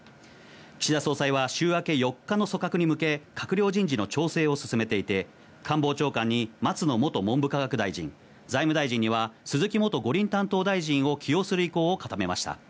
岸田総裁は週明け４日の組閣に向け、閣僚人事の調整を進めていて、官房長官に松野元文部科学大臣、財務大臣には鈴木元五輪担当大臣を起用する意向を固めました。